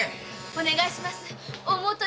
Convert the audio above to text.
お願いします。